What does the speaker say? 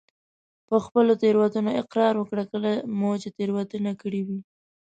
په خپله تېروتنه اقرار وکړه کله چې مو تېروتنه کړي وي.